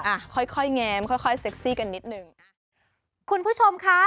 อะค่อยแงมค่อยเซ็กซี่นิดนึง